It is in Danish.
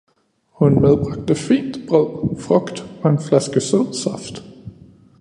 Hun medbragte fint brød, frugt og en flaske sød saft